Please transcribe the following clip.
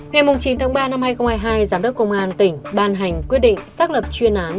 ngày chín tháng ba năm hai nghìn hai mươi hai giám đốc công an tỉnh ban hành quyết định xác lập chuyên án